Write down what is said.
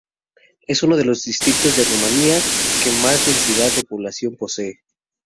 Es uno de los distritos de Rumanía que más densidad de población posee.